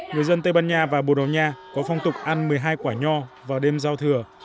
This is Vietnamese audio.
người dân tây ban nha và bồ đào nha có phong tục ăn một mươi hai quả nho vào đêm giao thừa